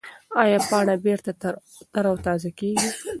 ایا پاڼه بېرته تر او تازه کېږي؟